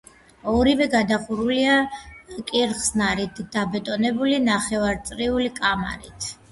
ორივე გადახურულია კირხსნარით დაბეტონებული ნახევარწრიული კამარით.